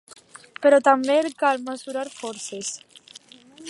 Però també cal mesurar forces.